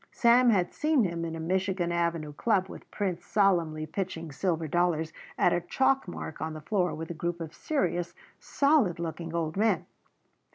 Sam had seen him in a Michigan Avenue club with Prince solemnly pitching silver dollars at a chalk mark on the floor with a group of serious, solid looking old men.